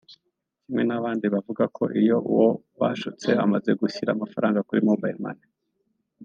Kimwe n’abandi bavuga ko iyo uwo bashutse amaze gushyira amafaranga kuri Mobile Money